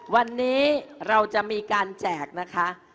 วันนี้เราจะมีการแจกนะคะ